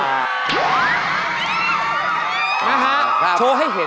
นะฮะโชว์ให้เห็น